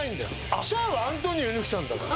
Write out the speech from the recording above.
「っしゃー」はアントニオ猪木さんだから。